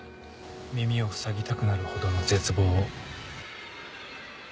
耳をふさぎたくなるほどの絶望を。